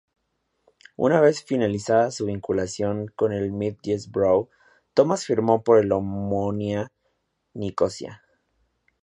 Una vez finalizada su vinculación con el Middlesbrough, Tomás firmó por el Omonia Nicosia.